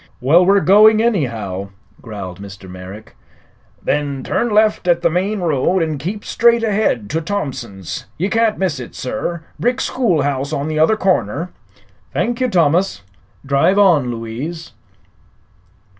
"Well, we're going, anyhow," growled Mr. Merrick. "Then turn left at the main road an' keep straight ahead to Thompson's. Ye can't miss it, sir. Brick schoolhouse on the other corner." "Thank you, Thomas. Drive on, Louise."